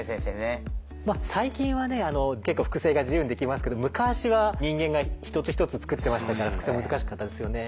最近はね結構複製が自由にできますけど昔は人間が一つ一つ作ってましたから複製は難しかったですよね。